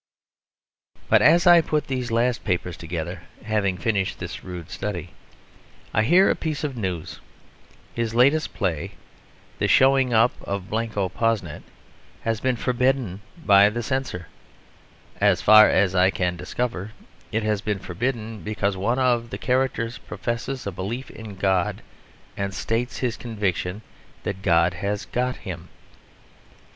But as I put these last papers together, having finished this rude study, I hear a piece of news. His latest play, The Showing Up of Blanco Posnet, has been forbidden by the Censor. As far as I can discover, it has been forbidden because one of the characters professes a belief in God and states his conviction that God has got him.